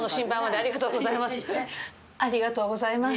ありがとうございます。